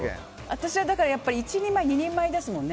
私は１人前２人前ですもんね。